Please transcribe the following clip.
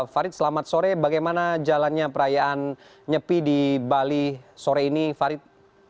farid selamat sore bagaimana jalannya perayaan nyepi di bali sore ini farid